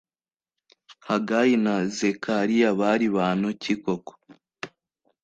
Hagayi na Zekariya bari bantu ki koko